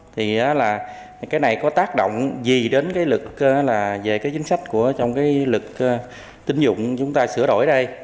thì cái này có tác động gì đến cái lực về cái chính sách trong cái lực tiến dụng chúng ta sửa đổi đây